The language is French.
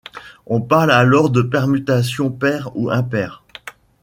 On parle alors de permutation paire ou impaire.